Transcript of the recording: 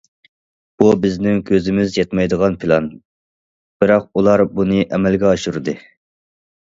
بۇ بىزنىڭ كۆزىمىز يەتمەيدىغان پىلان، بىراق ئۇلار بۇنى ئەمەلگە ئاشۇردى.